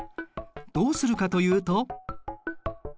どうするかというと。